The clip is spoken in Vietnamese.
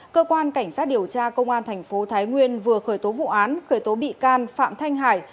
cơ quan cảnh sát điều tra công an thành phố thái nguyên vừa khởi tố vụ án khởi tố bị can phạm thanh hải